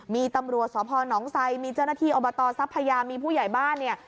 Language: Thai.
มีตำรวจสพนไซมีเจ้าหน้าที่อบตทรัพพยามีผู้ใหญ่บ้านเนี่ย